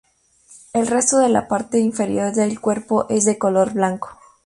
El resto de la parte inferior del cuerpo es de color blanco.